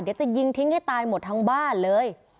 เดี๋ยวจะยิงทิ้งให้ตายหมดทั้งบ้านเลย